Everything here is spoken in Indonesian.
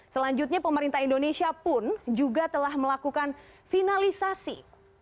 selanjutnya pemerintah indonesia pun juga telah melakukan finalisasi